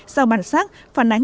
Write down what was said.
sâu bản sắc phản ánh